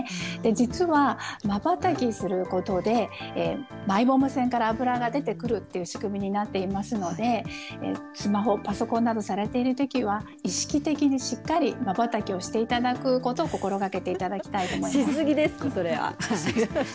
実は瞬きすることで、マイボーム腺から油が出てくるっていう仕組みになっていますので、スマホ、パソコンなどをされているときは、意識的にしっかり瞬きをしていただくことを心がけていただきたいし過ぎです、それは。